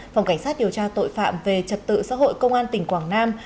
phòng cảnh sát điều tra tội phạm về trật tự xã hội công an tỉnh quảng nam